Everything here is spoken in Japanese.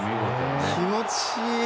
気持ちいい。